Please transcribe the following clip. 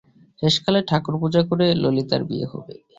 শেষকালে ঠাকুরপুজো করে ললিতার বিয়ে হবে!